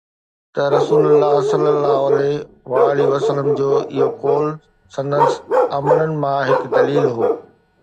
ته رسول الله صلي الله عليه وآله وسلم جو اهو قول سندس عملن مان هڪ دليل هو